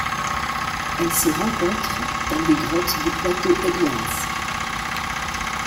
Elle se rencontre dans des grottes du plateau Edwards.